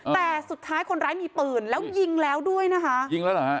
แต่สุดท้ายคนร้ายมีปืนแล้วยิงแล้วด้วยนะคะยิงแล้วเหรอฮะ